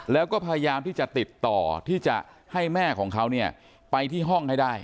แล้วก็พยายามที่จะติดต่อที่จะให้แม่ของเขาเนี่ยไปที่ห้องให้ได้